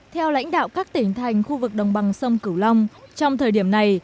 theo lãnh đạo các tỉnh thành khu vực đồng bằng sông cửu long trong thời điểm này